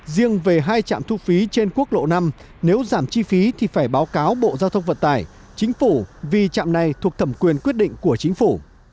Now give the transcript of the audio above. riêng về hai trạm thu phí trên quốc lộ năm nếu giảm chi phí thì phải báo cáo bộ giao thông vận tải chính phủ vì trạm này thuộc thẩm quyền quyết định của chính phủ